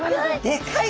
でかい！